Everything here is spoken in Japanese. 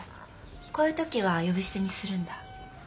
こういう時は呼び捨てにするんだ。